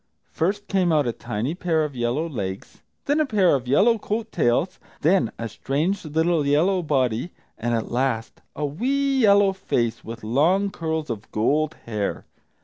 First came out a tiny pair of yellow legs; then a pair of yellow coat tails; then a strange little yellow body, and, last, a wee yellow face, with long curls of gold hair.